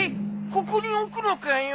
ここに置くのかよ？